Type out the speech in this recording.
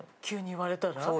急に言われたら？